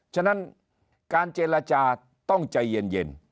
ฉะนั้นการเจรจาต้องใจเย็น